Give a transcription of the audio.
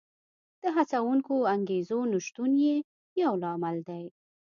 د هڅوونکو انګېزو نشتون یې یو لامل دی